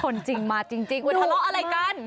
จริงมาจริงว่าทะเลาะอะไรกัน